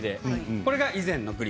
これが以前の握り。